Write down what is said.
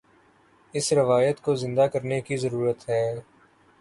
اس روایت کو زندہ کرنے کی ضرورت ہے۔